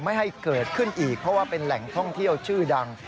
ไม่ให้เกิดขึ้นอีกเพราะว่าเป็นแหล่งท่องเที่ยวชื่อดัง